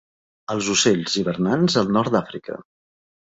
Els ocells hivernants al nord d'Àfrica.